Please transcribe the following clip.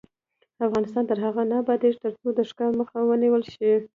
افغانستان تر هغو نه ابادیږي، ترڅو د ښکار مخه ونیول نشي.